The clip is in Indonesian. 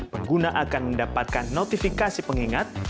pengguna akan mendapatkan notifikasi pengingat